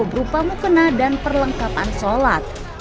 berupa mukena dan perlengkapan sholat